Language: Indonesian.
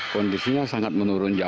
kondisinya sangat menurun jauh